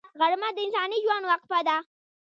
غرمه د انساني ژوند وقفه ده